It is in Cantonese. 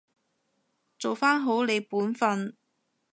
做返好你本分